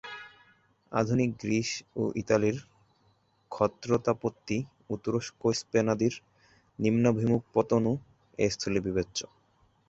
আধুনিক গ্রীস ও ইতালীর ক্ষত্রতাপত্তি ও তুরস্ক-স্পেনাদির নিম্নাভিমুখ পতনও এস্থলে বিবেচ্য।